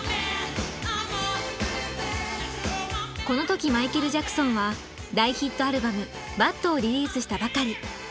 この時マイケル・ジャクソンは大ヒットアルバム「ＢＡＤ」をリリースしたばかり。